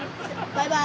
バイバイ。